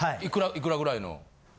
いくらぐらいの？え！